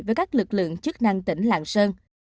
với các lực lượng chức năng tỉnh lạng sơn